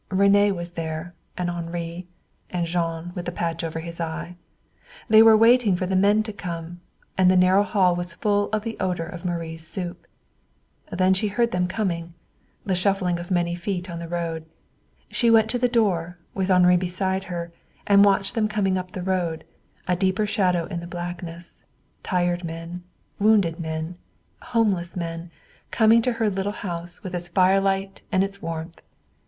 René was there; and Henri; and Jean, with the patch over his eye. They were waiting for the men to come, and the narrow hall was full of the odor of Marie's soup. Then she heard them coming, the shuffling of many feet on the road. She went to the door, with Henri beside her, and watched them coming up the road, a deeper shadow in the blackness tired men, wounded men, homeless men coming to her little house with its firelight and its warmth.